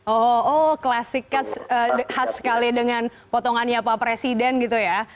oh oh klasiknya khas sekali dengan potongannya pak presiden gitu ya